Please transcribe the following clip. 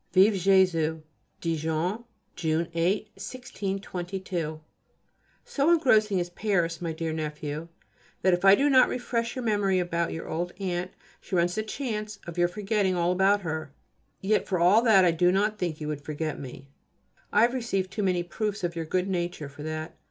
_ Vive [+] Jésus! DIJON, June 8, 1622. So engrossing is Paris, my dear nephew, that if I do not refresh your memory about your old aunt she runs the chance of your forgetting all about her. Yet for all that I do not think you would forget me. I have received too many proofs of your good nature for that.